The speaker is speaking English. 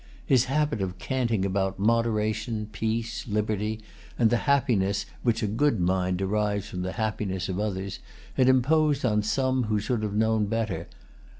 His habit of canting about moderation, peace, liberty, and the happiness which a good mind derives from the happiness of others, had imposed on some who should have known better.